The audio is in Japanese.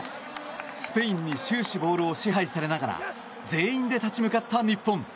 スペインに終始、ボールを支配されながら全員で立ち向かった日本。